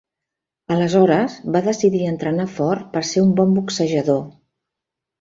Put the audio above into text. Aleshores va decidir entrenar fort per ser un bon boxejador.